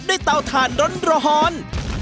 ด้วยเตาทานร้อน